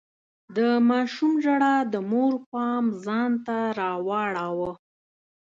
د ماشوم ژړا د مور پام ځان ته راواړاوه.